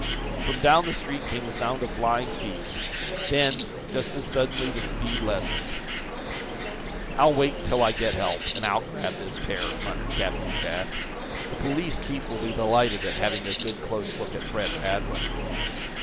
From down the street came the sound of flying feet. Then, just as suddenly the speed lessened. "I'll wait until I get help, and I'll grab this pair," muttered Captain Jack. "The police chief will be delighted at having a good, close look at Fred Radwin!"